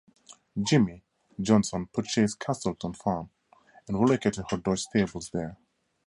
"Jimmy" Johnson, purchased Castleton Farm and relocated her Dodge stables there.